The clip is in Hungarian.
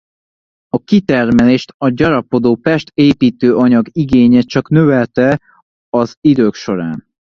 A kitermelést a gyarapodó Pest építőanyag-igénye csak növelte az idők során.